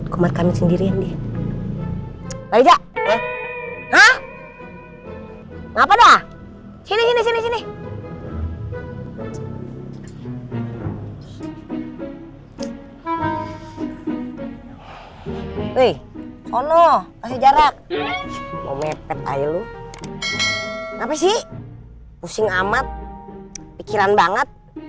kemat kami sendirian dia